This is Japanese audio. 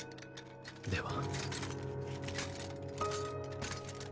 では。